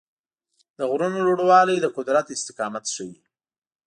د غرونو لوړوالی د قدرت استقامت ښيي.